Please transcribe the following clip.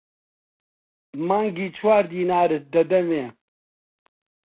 مانگی چوار دینارت دەدەمێ.